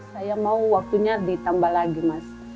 saya mau waktunya ditambah lagi mas